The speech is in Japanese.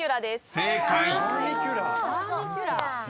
［正解。